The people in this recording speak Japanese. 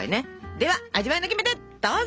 では味わいのキメテどうぞ！